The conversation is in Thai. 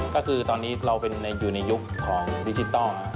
ก็คือตอนนี้เราอยู่ในยุคของดิจิทัล